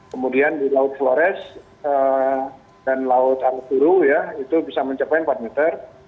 kemudian di laut flores dan laut alukuru ya itu bisa mencapai empat meter